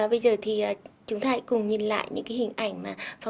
bây giờ thì chúng ta hãy cùng nhìn lại những hình ảnh